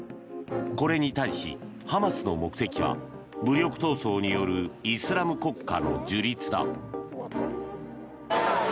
これに対しハマスの目的は武力闘争によるイスラム国家の樹立だ。